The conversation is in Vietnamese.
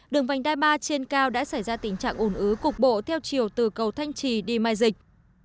đường vành đai ba trên cao đã xảy ra tình trạng ủn ứ cục bộ theo chiều từ cầu thanh trì đi mai dịch